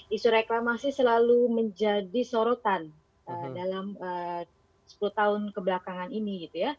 isu reklamasi selalu menjadi sorotan dalam sepuluh tahun kebelakangan ini